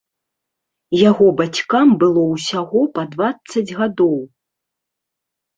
Яго бацькам было ўсяго па дваццаць гадоў.